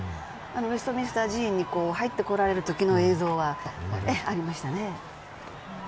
ウェストミンスター寺院に入ってこられるときの映像はありましたね。